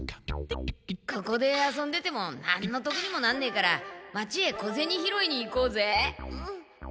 ここで遊んでてもなんのとくにもなんねえから町へ小ゼニ拾いに行こうぜ！